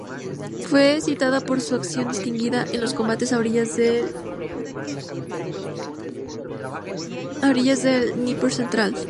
Fue citada por su acción distinguida en los combates a orillas del Dnieper central.